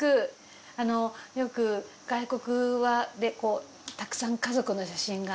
よく外国はたくさん家族の写真が。